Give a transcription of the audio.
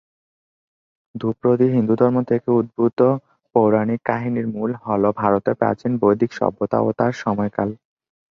ধ্রুপদী হিন্দুধর্ম থেকে উদ্ভূত পৌরাণিক কাহিনির মূল হল ভারতের প্রাচীন বৈদিক সভ্যতা ও তার সময়কাল।